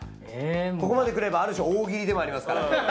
ここまでくればある種大喜利でもありますから。